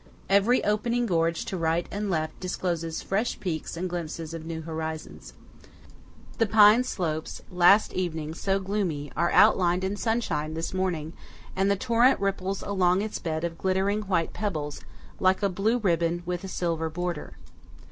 Every opening gorge to right and left discloses fresh peaks and glimpses of new horizons. The pine slopes, last evening so gloomy, are outlined in sunshine this morning; and the torrent ripples along its bed of glittering white pebbles, like a blue ribbon with a silver border.